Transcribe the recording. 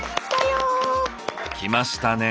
きましたね。